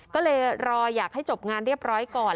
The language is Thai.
ก็เลยรออยากให้จบงานเรียบร้อยก่อน